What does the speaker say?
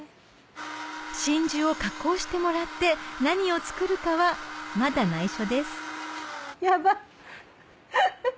真珠を加工してもらって何を作るかはまだ内緒ですヤバっ！